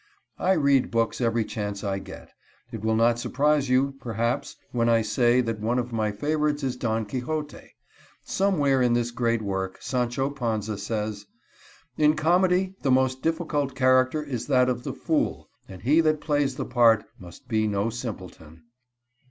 I read books every chance I get. It will not surprise you perhaps when I say that one of my favorites is "Don Quixote." Somewhere in this great work Sancho Panza says: "In comedy the most difficult character is that of the fool, and he that plays the part must be no simpleton."